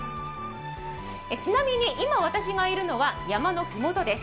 ちなみに今、私がいるのは山の麓です。